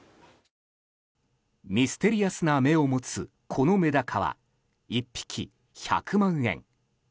ミステリアスな目を持つこのメダカは１匹１００万円。